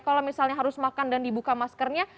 kalau misalnya harus makan dan dibuka maskernya